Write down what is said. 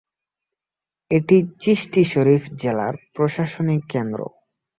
এটি চিশতি শরীফ জেলার প্রশাসনিক কেন্দ্র।